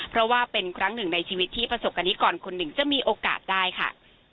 เพราะว่าเป็นครั้งหนึ่งในชีวิตที่ประสบกรณิกรคนหนึ่งจะมีโอกาสได้ค่ะ